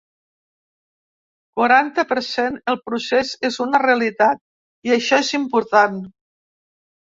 Quaranta per cent El procés és una realitat i això és important.